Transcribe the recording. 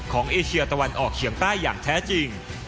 เอเชียตะวันออกเฉียงใต้อย่างแท้จริง